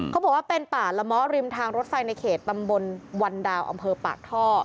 เขาบอกว่าเป็นป่าละมะริมทางรถไฟในเขตตำบลวันดาวอำเภอปากท่อ